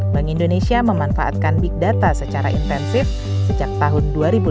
bank indonesia memanfaatkan big data secara intensif sejak tahun dua ribu lima belas